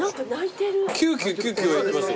キューキューキューキューいってます。